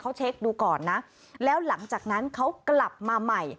เขาเช็คดูก่อนนะแล้วหลังจากนั้นเขากลับมาใหม่